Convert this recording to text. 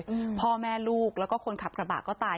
อืมพ่อแม่ลูกแล้วก็คนขับกระบะก็ตาย